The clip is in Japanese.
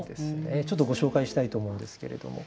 ちょっとご紹介したいと思うんですけれども。